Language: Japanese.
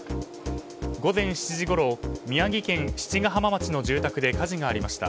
午前７時ごろ宮城県七ヶ浜町の住宅で火事がありました。